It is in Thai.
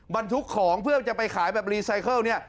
บรรทุกของเพื่อจะไปขายแบบรีไซเคิลเนี่ย